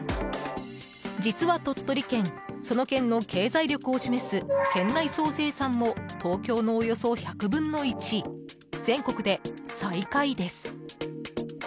実は鳥取県、その県の経済力を示す県内総生産も東京のおよそ１００分の１全国で最下位です。